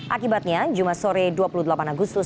akibatnya jumat sore dua puluh delapan agustus